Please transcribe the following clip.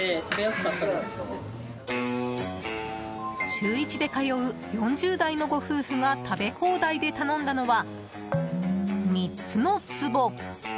週１で通う４０代のご夫婦が食べ放題で頼んだのは、３つのつぼ。